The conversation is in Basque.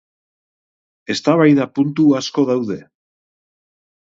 Eztabaida puntu asko daude.